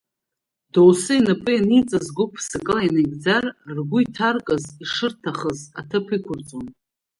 Доусы инапы ианиҵаз гәык-ԥсыкала инаигӡар, ргәы иҭаркыз ишырҭахыз аҭыԥ иқәырҵон.